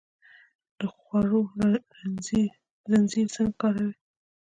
د خوړو زنځیر څنګه کار کوي؟